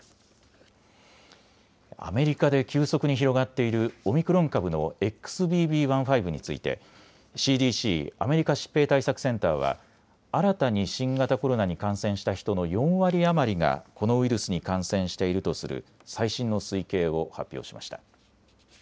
アメリカで急速に広がっているオミクロン株のＸＢＢ．１．５についてＣＤＣ・アメリカ疾病対策センターは新たに新型コロナに感染した人の４割余りがこのウイルスに感染しているとする最新の推計を発表しました。